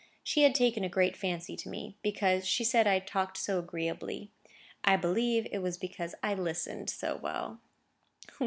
She had taken a great fancy to me, because she said I talked so agreeably. I believe it was because I listened so well.